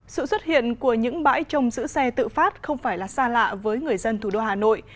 sự xuất hiện của những bãi trong giữ xe tự phát không phải là xa lạ với người dân thủ đô hà nội